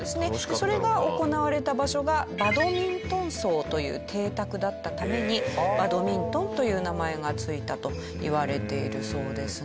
それが行われた場所がバドミントン荘という邸宅だったために「バドミントン」という名前が付いたといわれているそうですね